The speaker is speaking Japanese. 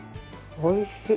おいしい。